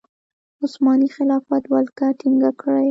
عثماني خلافت ولکه ټینګه کړي.